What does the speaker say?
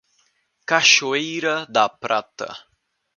Cachoeira da Prata